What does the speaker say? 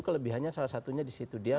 kelebihannya salah satunya di situ dia